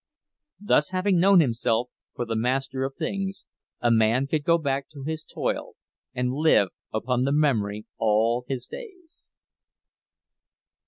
Thus having known himself for the master of things, a man could go back to his toil and live upon the memory all his days.